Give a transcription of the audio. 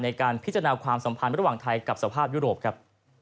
ในการพิจารณาความสัมพันธ์ระหว่างไทยกับสภาพยุโรปครับ